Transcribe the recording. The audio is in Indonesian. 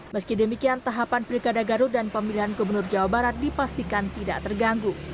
meski demikian tahapan pilkada garut dan pemilihan gubernur jawa barat dipastikan tidak terganggu